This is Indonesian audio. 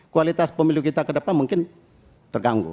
kualitas pemilu kita ke depan mungkin terganggu